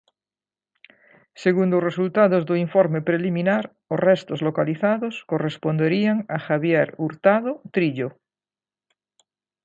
Segundo os resultados do informe preliminar, os restos localizados corresponderían a Javier Hurtado Trillo.